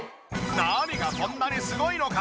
何がそんなにすごいのか？